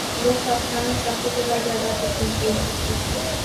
لوگ پاکستان میں سیاست تو کیا جائیداد تک نہیں خرید سکتے